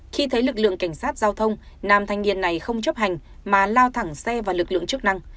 khi thấy lực lượng cảnh sát giao thông nam thanh niên này không chấp hành mà lao thẳng xe vào lực lượng chức năng